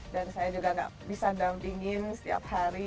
dan saya juga gak bisa dampingin setiap hari